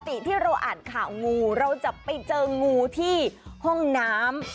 ที่เราอ่านข่าวงูเราจะไปเจองูที่ห้องน้ำ